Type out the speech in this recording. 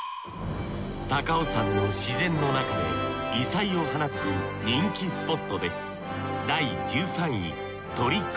高尾山の自然の中で異彩を放つ人気スポットです